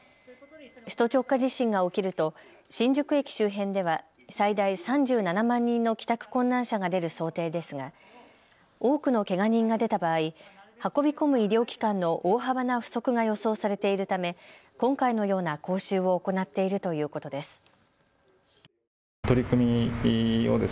首都直下地震が起きると新宿駅周辺では最大３７万人の帰宅困難者が出る想定ですが多くのけが人が出た場合、運び込む医療機関の大幅な不足が予想されているため今回のような講習を行っているということです。